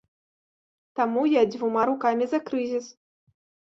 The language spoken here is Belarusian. Таму я дзвюма рукамі за крызіс.